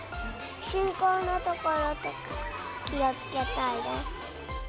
信号のところとか気をつけたいです。